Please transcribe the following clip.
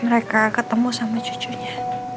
mereka ketemu sama cucunya